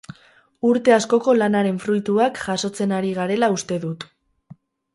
Urte askoko lanaren fruituak jasotzen ari garela uste dut.